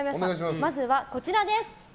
まずはこちらです。